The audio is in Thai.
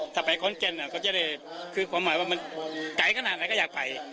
ถ้าไปขอนแก่นก็จะได้คือความหมายว่ามันไกลขนาดไหนก็อยากไป